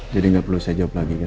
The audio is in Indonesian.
jadi gak perlu saya jawab lagi kan